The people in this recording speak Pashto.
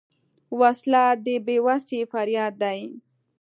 وسله د بېوسۍ فریاد دی